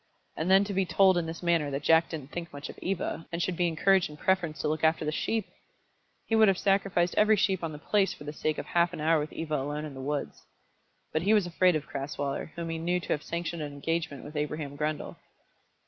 And then to be told in this manner that Jack didn't think much of Eva, and should be encouraged in preference to look after the sheep! He would have sacrificed every sheep on the place for the sake of half an hour with Eva alone in the woods. But he was afraid of Crasweller, whom he knew to have sanctioned an engagement with Abraham Grundle.